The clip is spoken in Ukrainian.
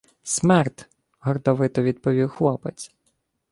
— Смерд! — гордовито відповів хлопець.